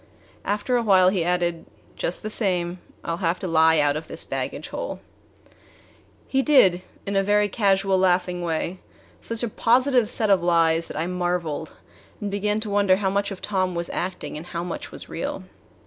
After a while he added: "Just the same, I 'll have to lie out of this baggage hole." He did, in a very casual, laughing way such a positive set of lies that I marveled and began to wonder how much of Tom was acting and how much was real.